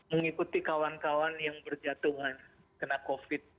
mengikuti kawan kawan yang berjatuhan kena covid